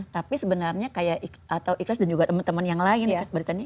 tapi sebenarnya kayak atau ikhlas dan juga teman teman yang lain pas bertani